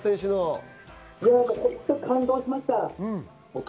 本当に感動しました。